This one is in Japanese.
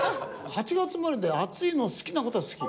８月生まれで暑いの好きな事は好き。